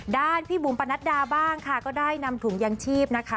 พี่บุ๋มปะนัดดาบ้างค่ะก็ได้นำถุงยางชีพนะคะ